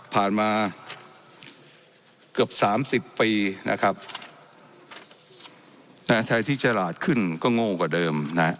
ผ่านมาเกือบ๓๐ปีนะครับไทยที่ฉลาดขึ้นก็โง่กว่าเดิมนะฮะ